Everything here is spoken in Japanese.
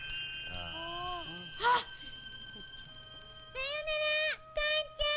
さよなら、カンちゃん。